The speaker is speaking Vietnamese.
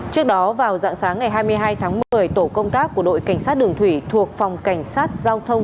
trước đó vào dạng sáng ngày hai mươi hai tháng một mươi tổ công tác của đội cảnh sát đường thủy thuộc phòng cảnh sát giao thông